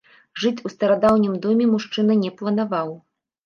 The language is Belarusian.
Жыць у старадаўнім доме мужчына не планаваў.